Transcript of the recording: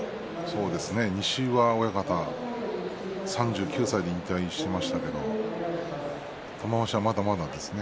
西岩親方は３９歳で引退しましたけれど玉鷲は、まだまだですね。